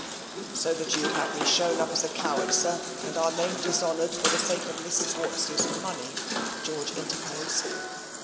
"So that you would have me shown up as a coward, sir, and our name dishonoured for the sake of Miss Swartz's money," George interposed.